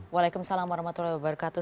waalaikumsalam warahmatullahi wabarakatuh